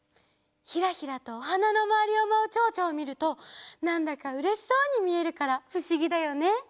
ひらひらとおはなのまわりをまうちょうちょをみるとなんだかうれしそうにみえるからふしぎだよね。